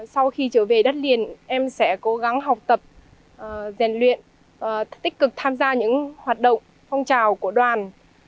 sau khi trở về đất liền em sẽ cố gắng học tập rèn luyện tích cực tham gia những hoạt động phong trào của đoàn